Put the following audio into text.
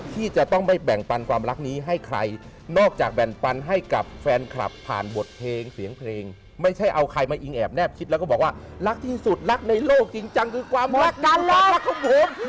ที่จะต้องไม่แบ่งปันความรักนี้ให้ใครนอกจากแบ่งปันให้กับแฟนคลับผ่านบทเพลงเสียงเพลงไม่ใช่เอาใครมาอิงแอบแนบคิดแล้วก็บอกว่ารักที่สุดรักในโลกจริงจังคือความรักดารารักของผม